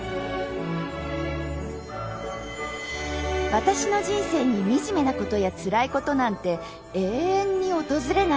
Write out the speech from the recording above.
私の人生に惨めなことやつらいことなんて永遠に訪れないと思っていた